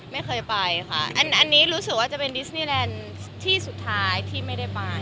ไม่เคยไปค่ะอันนี้รู้สึกว่าจะเป็นดิสนีแลนด์ที่สุดท้ายที่ไม่ได้ไป